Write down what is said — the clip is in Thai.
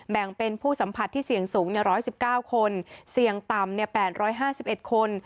แบ่งเป็นผู้สัมผัสที่เสี่ยงสูง๑๑๙คนเสี่ยงต่ำ๘๕๑คน